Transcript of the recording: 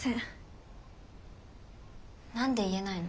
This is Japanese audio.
何で言えないの？